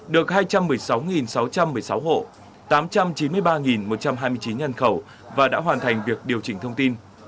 được hai trăm một mươi sáu sáu trăm một mươi sáu hộ tám trăm chín mươi ba một trăm hai mươi chín nhân khẩu và đã hoàn thành việc điều chỉnh thông tin